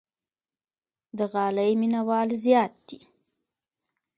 د غالۍ مینوال زیات دي.